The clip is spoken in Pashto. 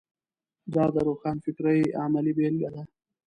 دا د روښانفکرۍ عملي بېلګه ده.